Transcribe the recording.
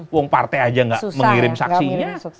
wong partai aja gak mengirim saksinya